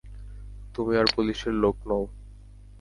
তুমি আর পুলিশের লোক নও।